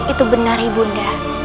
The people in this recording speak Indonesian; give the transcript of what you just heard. itu benar ibu nda